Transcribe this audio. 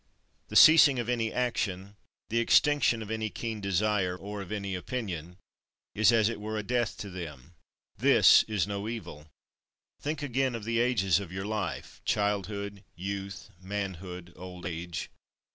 21. The ceasing of any action, the extinction of any keen desire, or of any opinion, is as it were a death to them. This is no evil. Think again of the ages of your life; childhood, youth, manhood, old age.